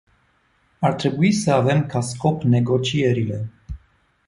Ar trebui să avem ca scop negocierile.